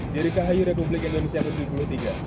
dirgahayu republik indonesia yang ke tujuh puluh tiga